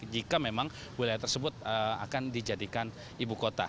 jika memang wilayah tersebut akan dijadikan ibu kota